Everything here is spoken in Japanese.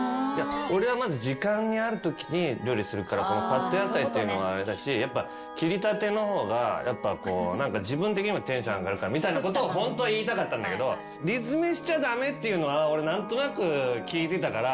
俺はまず時間あるときに料理するからカット野菜っていうのはあれだし切りたての方が自分的にもテンション上がるからみたいなことをホントは言いたかったんだけど理詰めしちゃ駄目っていうのは何となく聞いてたから。